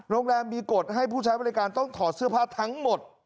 โรงแรมมีกฎให้ผู้ใช้บริการต้องถอดเสื้อผ้าทั้งหมด